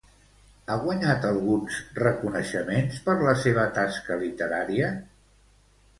Ha guanyat alguns reconeixements per la seva tasca literària?